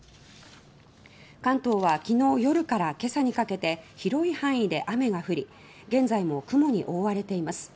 関東はきのう夜から今朝にかけて広い範囲で雨が降り現在も雲に覆われています。